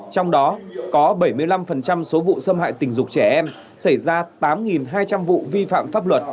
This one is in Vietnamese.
trong đó có bảy mươi năm số vụ xâm hại tình dục trẻ em xảy ra tám hai trăm linh vụ vi phạm pháp luật